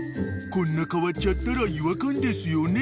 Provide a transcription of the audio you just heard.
［こんな変わっちゃったら違和感ですよね